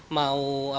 jadi semuanya ada